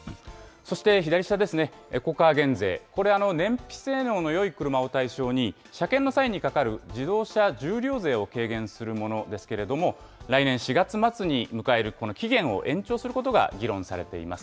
そして、左下ですね、エコカー減税、これ、燃費性能のよい車を対象に、車検の際にかかる自動車重量税を軽減するものですけれども、来年４月末に迎えるこの期限を延長する議論されています。